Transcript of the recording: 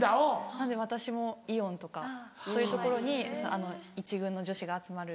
なので私もイオンとかそういう所に１軍の女子が集まる。